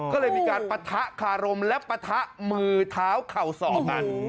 ก็เลยปาทะคาลมและปาทะมือเท้าเข่าศอกั้น